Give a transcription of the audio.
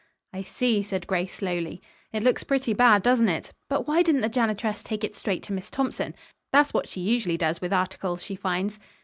"I see," said Grace slowly. "It looks pretty bad, doesn't it? But why didn't the janitress take it straight to Miss Thompson? That's what she usually does with articles she finds."